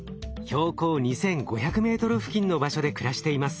標高２，５００ｍ付近の場所で暮らしています。